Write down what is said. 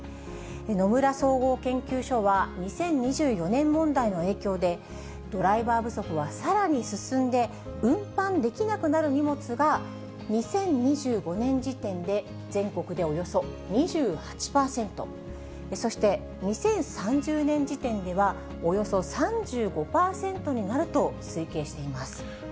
野村総合研究所は、２０２４年問題の影響で、ドライバー不足はさらに進んで、運搬できなくなる荷物が２０２５年時点で、全国でおよそ２８％、そして２０３０年時点では、およそ３５％になると推計しています。